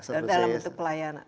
dalam bentuk pelayanan